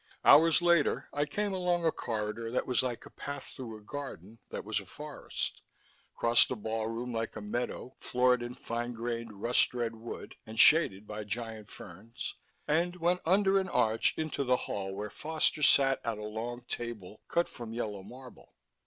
Hours later, I came along a corridor that was like a path through a garden that was a forest, crossed a ballroom like a meadow floored in fine grained rust red wood and shaded by giant ferns, and went under an arch into the hall where Foster sat at a long table cut from yellow marble.